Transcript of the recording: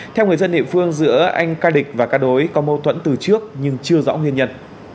theo người dân địa phương giữa anh ca định và ca đối có mâu thuẫn từ trước nhưng chưa rõ nguyên nhân